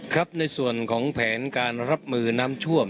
ครับในส่วนของแผนการรับมือน้ำท่วม